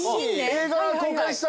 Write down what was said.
映画公開した。